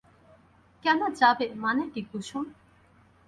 কেন যাবে মানে কী কুসুম?